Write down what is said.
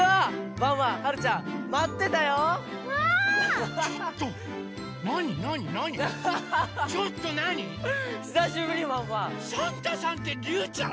サンタさんってりゅうちゃん？